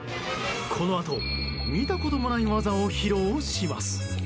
このあと、見たこともない技を披露します。